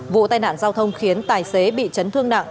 vụ tai nạn giao thông khiến tài xế bị chấn thương nặng